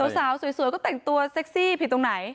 สาวสวยก็แต่งตัวเซ็กซี่ผิดตรงไหน